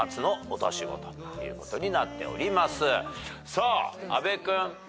さあ阿部君。